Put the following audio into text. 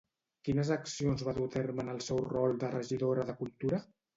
Quines accions va dur a terme en el seu rol de regidora de Cultura?